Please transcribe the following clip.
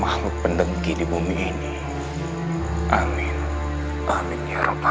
dasar pengecut kamu sembarang